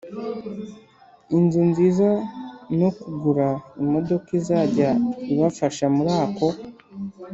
inzu nziza no kugura imodoka izajya ibafasha muri ako